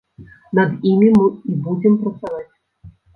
Над імі мы і будзем працаваць.